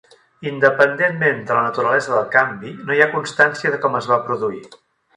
Independentment de la naturalesa del canvi, no hi ha constància de com es va produir.